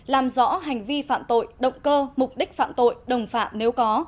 làm rõ hành vi phạm tội động cơ mục đích phạm tội đồng phạm nếu có